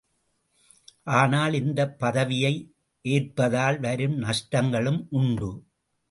ஆனால், இந்தப் பதவியை ஏற்பதால் வரும் நஷ்டங்களும் உண்டு.